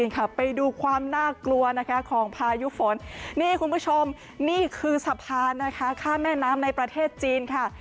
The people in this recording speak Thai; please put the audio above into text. ของพายุฝนนี่คุณผู้ชมนี่คือสะพานนะคะข้ามแน่น้ำในประเทศจีนค่ะ